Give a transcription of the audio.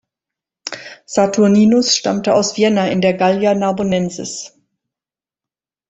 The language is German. Saturninus stammte aus Vienna in der Gallia Narbonensis.